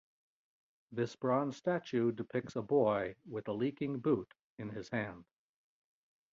This bronze statue depicts a boy with a leaking boot in his hand.